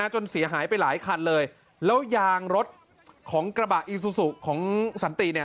จนเสียหายไปหลายคันเลยแล้วยางรถของกระบะอีซูซูของสันติเนี่ย